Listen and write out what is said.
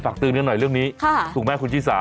เตือนกันหน่อยเรื่องนี้ถูกไหมคุณชิสา